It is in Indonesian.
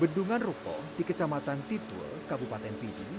bendungan ruko di kecamatan titul kabupaten pidi